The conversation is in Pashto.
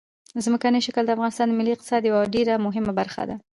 ځمکنی شکل د افغانستان د ملي اقتصاد یوه ډېره مهمه برخه ده.